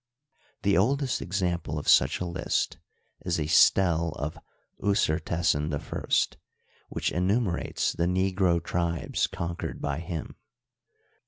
The oldest example of such a list is a stele of Usertesen I, which enumerates the negro tribes conquered by him.